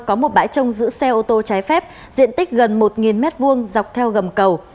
không giữ xe ô tô trái phép diện tích gần một m hai dọc theo gầm cầu